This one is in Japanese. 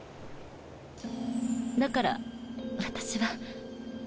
だから私は。